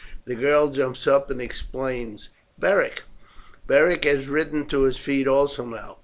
"The girl jumps up and exclaims 'Beric.'" Beric had risen to his feet also now.